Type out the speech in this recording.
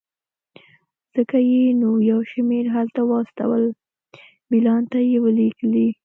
ځکه یې نو یو شمېر هلته واستول، میلان ته یې ولېږلې.